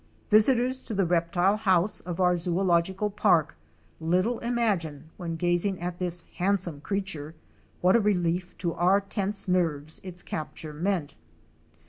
Visitors to the Reptile House of our Zoological Park little imagine, when gazing at this handsome creature, what a relief to our tense nerves its capture meant.